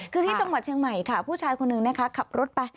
คือที่จังหวัดเชียงใหม่ค่ะผู้ชายคนหนึ่งนะคะขับรถไป